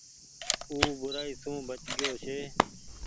او بورآئي سون بچ گيو ڇي